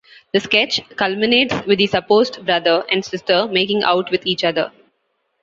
The sketch culminates with the supposed brother and sister making out with each other.